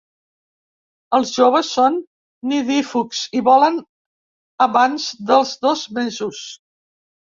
Els joves són nidífugs i volen abans dels dos mesos.